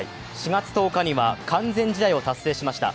４月１０日は完全試合を達成しました。